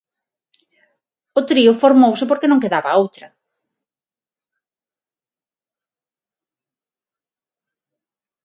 O trío formouse porque non quedaba outra.